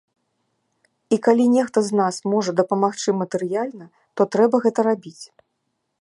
І калі нехта з нас можа дапамагчы матэрыяльна, то трэба гэта рабіць.